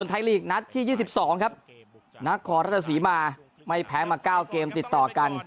ไทยลีกนัดที่๒๒ครับนครราชสีมาไม่แพ้มา๙เกมติดต่อกัน